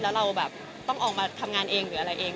แล้วเราออกมาทำงานเอง